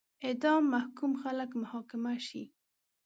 اعدام محکوم خلک محاکمه شي.